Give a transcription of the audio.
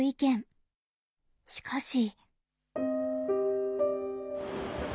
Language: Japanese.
しかし。